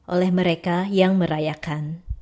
oleh mereka yang merayakan